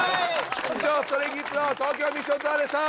以上ＳｔｒａｙＫｉｄｓの『東京ミッションツアー』でした！